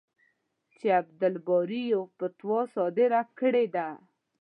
چې عبدالباري یوه فتوا صادره کړې ده.